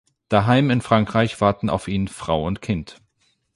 Daheim in Frankreich warten auf ihn Frau und Kind.